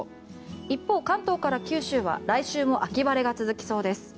一方、関東から九州は来週も秋晴れが続きそうです。